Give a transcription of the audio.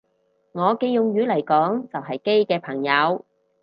我嘅用語嚟講就係基嘅朋友